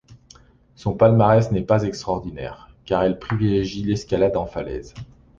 Son palmarès n'est pas extraordinaire, car elle privilégie l'escalade en falaise.